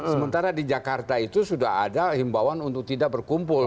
sementara di jakarta itu sudah ada himbawan untuk tidak berkumpul